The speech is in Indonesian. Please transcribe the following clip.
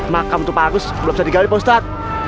makam tuh pak agus belum bisa digali ustadz